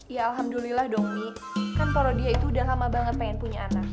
ya alhamdulillah dong mi kan pak rodia itu udah lama banget pengen punya anak